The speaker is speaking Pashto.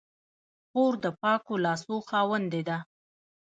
خور د پاکو لاسو خاوندې ده.